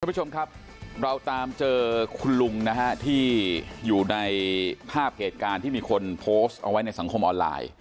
ผู้ชมครับเราตามเจอคุณลุงนะฮะที่อยู่ในภาพเหตุการณ์ที่มีคนโพสต์เอาไว้ในสังคมออนไลน์